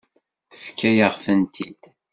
Tefka-yaɣ-tent-id.